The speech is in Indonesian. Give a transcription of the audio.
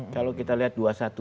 kalau kita lihat